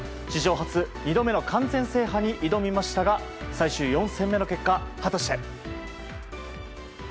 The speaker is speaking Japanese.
史上初２度目の完全制覇に挑みましたが最終４戦目の結果は果たして。